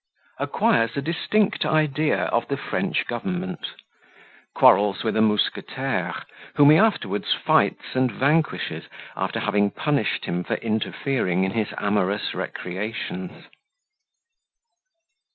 Acquires a distinct Idea of the French Government Quarrels with a Mousquetaire, whom he afterwards fights and vanquishes, after having punished him for interfering in his amorous Recreations.